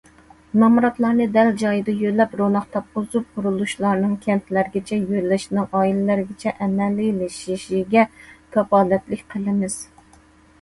نامراتلارنى دەل جايىدا يۆلەپ، روناق تاپقۇزۇپ، قۇرۇلۇشلارنىڭ كەنتلەرگىچە، يۆلەشنىڭ ئائىلىلەرگىچە ئەمەلىيلىشىشىگە كاپالەتلىك قىلىمىز.